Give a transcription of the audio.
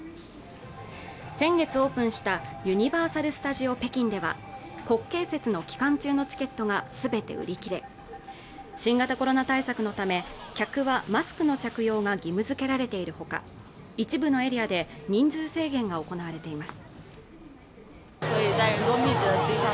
先月オープンしたユニバーサルスタジオ北京では国慶節の期間中のチケットがすべて売り切れ新型コロナ対策のため客はマスクの着用が義務付けられているほか一部のエリアで人数制限が行われています